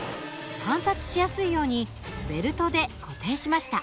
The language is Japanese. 観察しやすいようにベルトで固定しました。